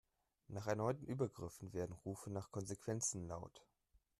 Nach erneuten Übergriffen werden Rufe nach Konsequenzen laut.